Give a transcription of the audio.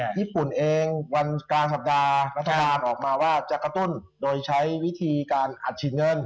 ญี่ปุ่นเองวันกลางสัปดาห์รัฐบาลออกมาว่าจะกระตุ้นโดยใช้วิธีการอัดฉีดเงิน